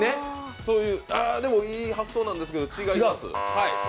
でもいい発想なんですけど、違います。